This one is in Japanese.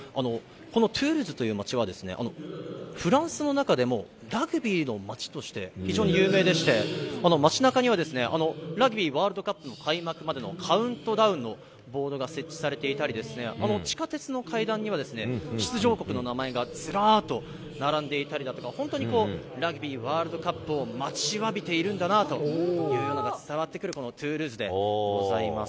このトゥールーズという町はですね、フランスの中でもラグビーの街として非常に有名でして、街なかにはラグビーワールドカップの開幕までのカウントダウンのボードが設置されていたり、地下鉄の階段には出場国の名前がずらっと並んでいたりだとか、本当にラグビーワールドカップを待ちわびているんだなというのが伝わってくるこのトゥールーズでございます。